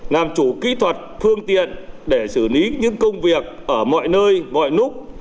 làm chủ kỹ thuật phương tiện để xử lý những công việc ở mọi nơi mọi lúc